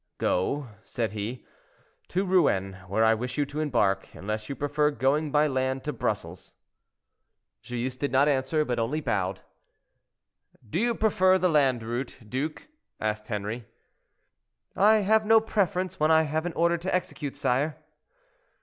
"Go," said he, "to Rouen, where I wish you to embark, unless you prefer going by land to Brussels." Joyeuse did not answer, but only bowed. "Do you prefer the land route, duke?" asked Henri. "I have no preference when I have an order to execute, sire."